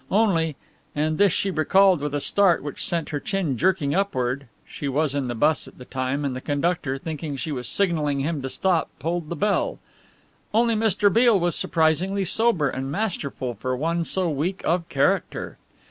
Only, and this she recalled with a start which sent her chin jerking upward (she was in the bus at the time and the conductor, thinking she was signalling him to stop, pulled the bell), only Mr. Beale was surprisingly sober and masterful for one so weak of character.